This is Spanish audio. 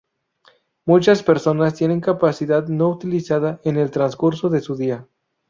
Muchas personas tienen capacidad no utilizada en el transcurso de su día.